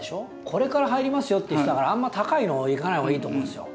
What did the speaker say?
これから入りますよっていう人だからあんま高いのいかない方がいいと思うんですよ。